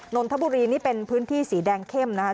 นนทบุรีนี่เป็นพื้นที่สีแดงเข้มนะคะ